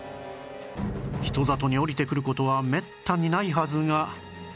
人里に下りてくる事はめったにないはずが